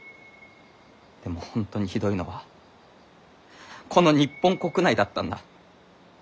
でも本当にひどいのはこの日本国内だったんだ。